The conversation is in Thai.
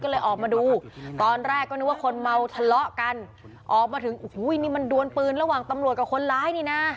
ก็เลยออกมาดูตอนแรกก็นึกว่าคนเมาทะเลาะกันออกมาถึงโอ้โหนี่มันดวนปืนระหว่างตำรวจกับคนร้ายนี่นะ